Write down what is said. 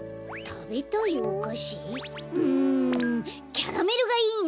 キャラメルがいいな！